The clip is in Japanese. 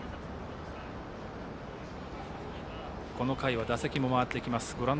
この回は打席も回ってきます。